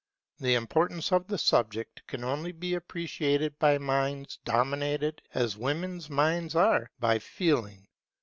The importance of the subject can only be appreciated by minds dominated, as women's minds are, by feeling.